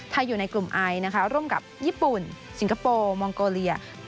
อยู่ในกลุ่มไอนะคะร่วมกับญี่ปุ่นสิงคโปร์มองโกเลีย